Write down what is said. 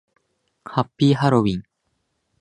ハッピーハロウィン